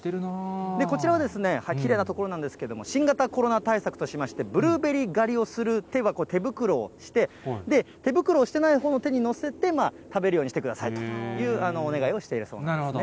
こちらは、きれいな所なんですけれども、新型コロナ対策としまして、ブルーベリー狩りをする手は手袋をして、手袋をしてないほうの手に載せて食べるようにしてくださいというお願いをしています。